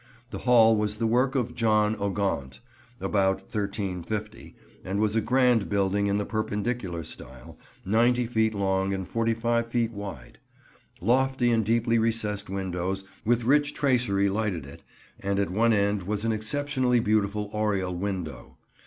The Hall was the work of John o' Gaunt, about 1350, and was a grand building in the Perpendicular style, ninety feet long and forty five feet wide. Lofty and deeply recessed windows, with rich tracery lighted it, and at one end was an exceptionally beautiful oriel window.